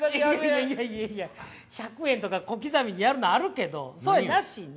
いやいやいや１００円とか小刻みにやるのあるけどそうやなしに。